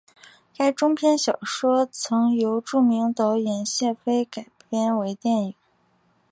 该中篇小说曾由著名导演谢飞改编为电影。